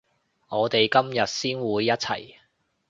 我哋今日先會一齊